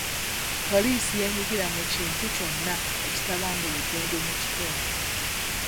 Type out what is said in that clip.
Poliisi yenyigira mu kintu kyonna ekitabangula eddembe mu kitundu.